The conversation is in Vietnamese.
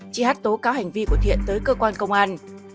chị hát tố cáo hành vi của thiện tới cơ quan công an